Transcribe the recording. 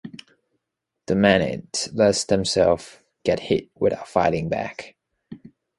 The manatees let themselves get hit without fighting back.